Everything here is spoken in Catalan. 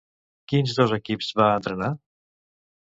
Quins dos equips va entrenar?